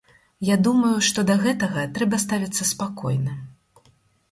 Я думаю, што да гэтага трэба ставіцца спакойна.